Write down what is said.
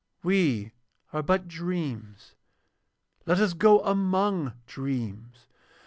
We are but dreams, let us go among dreams.